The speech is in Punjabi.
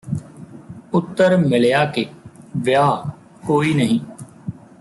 ਉੱਤਰ ਮਿਲਿਆ ਕਿ ਵਿਆਹ ਕੋਈ ਨਹੀਂ